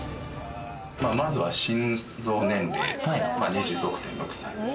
まずは心臓年齢、２６．６歳。